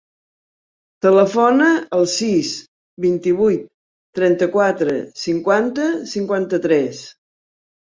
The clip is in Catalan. Telefona al sis, vint-i-vuit, trenta-quatre, cinquanta, cinquanta-tres.